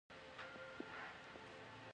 الله تعالی پوهيږي ددي په معنا او مطلب باندي